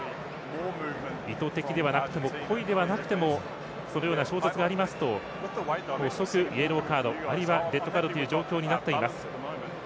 意図的ではなくても故意ではなくてもそのような衝突がありますと即刻、イエローカードあるいはレッドカードという状況になっています。